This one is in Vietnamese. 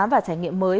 và trải nghiệm mới